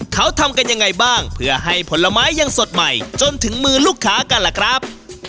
เขาทำกันยังไงบ้างเพื่อให้ผลไม้ยังสดใหม่จนถึงมือลูกค้ากันล่ะครับ